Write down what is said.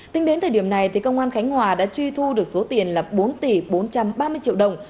tính đến thời điểm này công an khánh hòa đã truy thu được số tiền là bốn tỷ bốn trăm ba mươi triệu đồng